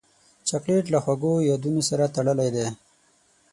چاکلېټ له خوږو یادونو سره تړلی دی.